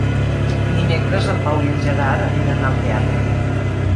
Dimecres en Pau i en Gerard aniran al teatre.